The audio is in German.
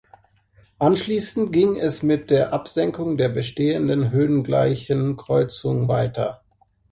Anschließend ging es mit der Absenkung der bestehenden höhengleichen Kreuzungen weiter.